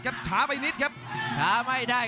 รับทราบบรรดาศักดิ์